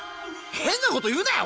変なこと言うなよ！